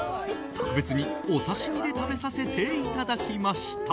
特別に、お刺し身で食べさせていただきました。